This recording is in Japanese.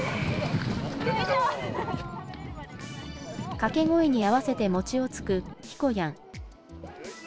掛け声に合わせて餅をつくひこにゃん。